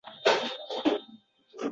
O’tu suvga tadbir bordir